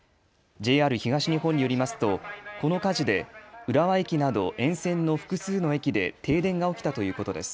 ＪＲ東日本によりますとこの火事で浦和駅など沿線の複数の駅で停電が起きたということです。